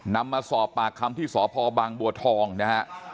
นำมาสอบปากคำที่สพบางบัวทองนะฮะ